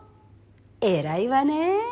偉いわねぇ。